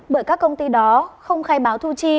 bởi các công ty đó không khai báo thu chi